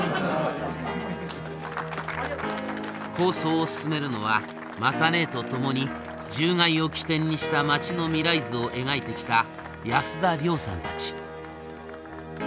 構想を進めるのは雅ねえと共に獣害を起点にした町の未来図を描いてきた安田亮さんたち。